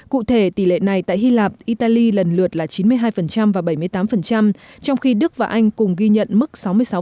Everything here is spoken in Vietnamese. cụ thể tỷ lệ này tại hy lạp italy lần lượt là chín mươi hai và bảy mươi tám trong khi đức và anh cùng ghi nhận mức sáu mươi sáu